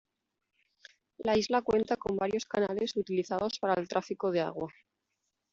La isla cuenta con varios canales utilizados para el tráfico de agua.